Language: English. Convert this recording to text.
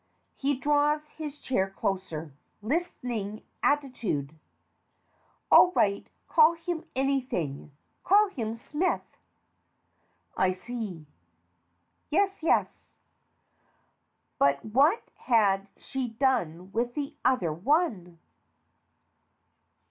(He draws his chair closer. Listening attitude.) All right. Call him anything call him Smith. I see. Yes, yes. But what had she done with the other one?